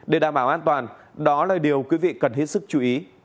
để đảm bảo an toàn đó là điều quý vị cần hết sức chú ý